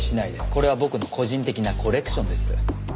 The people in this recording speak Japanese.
これは僕の個人的なコレクションです。